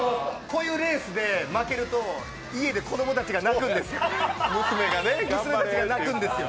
こういうレースで負けると家で子供たちが、娘たちが泣くんですよ。